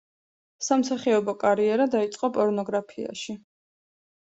სამსახიობო კარიერა დაიწყო პორნოგრაფიაში.